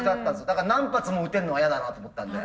だから何発も打てるのは嫌だなと思ったんで。